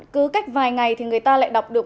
cứ cách vài ngày thì người ta lại đọc được